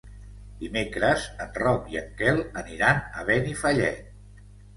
Dimecres en Roc i en Quel aniran a Benifallet.